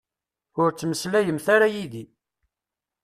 Ur ttmeslayemt ara yid-i.